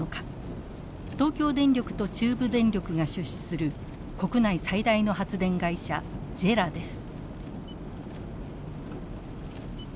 東京電力と中部電力が出資する国内最大の発電会社ＪＥＲＡです。